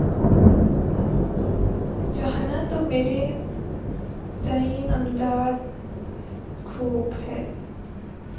چاہنا تو مرے تئیں امداد خوب ہے۔